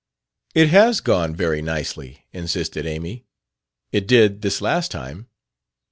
"It has gone very nicely," insisted Amy; "it did, this last time."